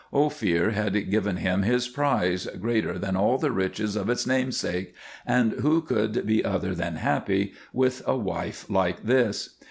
Ophir had given him his prize, greater than all the riches of its namesake, and who could be other than happy with a wife like his?